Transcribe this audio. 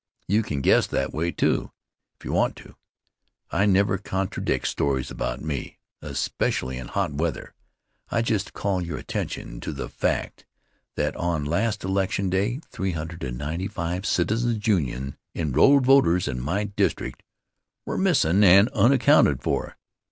You can guess that way, too, if you want to. I never contradict stories about me, especially in hot weather. I just call your attention to the fact that on last election day 395 Citizens' Union enrolled voters in my district were missin' and unaccounted for.